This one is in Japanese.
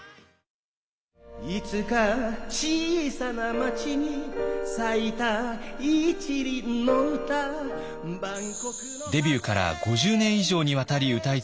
いつか小さな街に咲いた一輪の歌デビューから５０年以上にわたり歌い続け